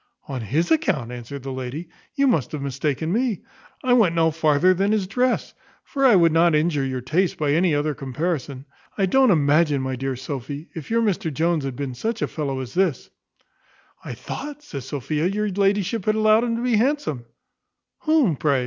"On his account!" answered the lady: "You must have mistaken me; I went no farther than his dress; for I would not injure your taste by any other comparison I don't imagine, my dear Sophy, if your Mr Jones had been such a fellow as this " "I thought," says Sophia, "your ladyship had allowed him to be handsome" "Whom, pray?"